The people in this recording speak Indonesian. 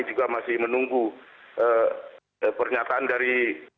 juga masih menunggu pernyataan dari